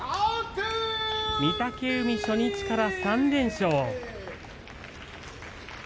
御嶽海、初日から３連勝。